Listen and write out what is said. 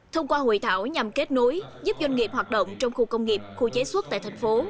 thông qua hội thảo nhằm kết nối giúp doanh nghiệp hoạt động trong khu công nghiệp khu chế xuất tại thành phố